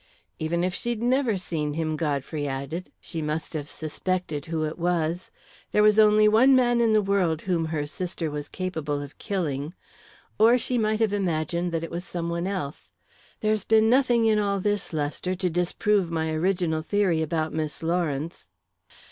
"Even if she'd never seen him," Godfrey added, "she must have suspected who it was there was only one man in the world whom her sister was capable of killing. Or she might have imagined that it was some one else. There's been nothing in all this, Lester, to disprove my original theory about Miss Lawrence."